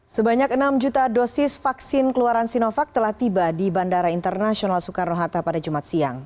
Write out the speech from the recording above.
sebanyak enam juta dosis vaksin keluaran sinovac telah tiba di bandara internasional soekarno hatta pada jumat siang